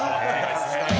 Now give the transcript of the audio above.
「確かに」